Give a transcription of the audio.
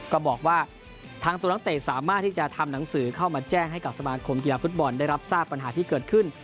ก็บอกว่าทางตัวนักเตะสามารถที่จะทำหนังสือเข้ามาแจ้งให้กับสมาคมกีฬาฟุตบอลได้รับทราบปัญหาที่เกิดขึ้น